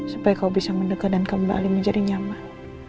supaya kau bisa mendekat dan kembali menjadi nyaman